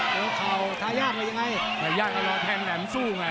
เจอเข่าขยากว่ายังไงขยากก็รอแทนแหลมสู้ไง